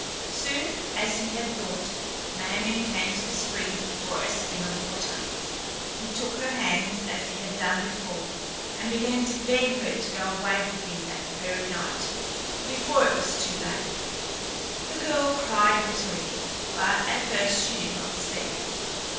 Soon, as he had thought, Ma min´ came to the spring for a skin of water. He took her hands, as he had done before, and began to beg her to go away with him that very night, before it was too late. The girl cried bitterly, but at first she did not speak.